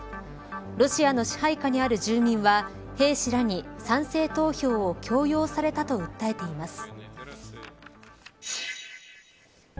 ロシアの支配下にある住民は兵士らに賛成投票を強要されたと訴えています。